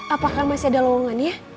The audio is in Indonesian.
apakah masih ada lowongan ya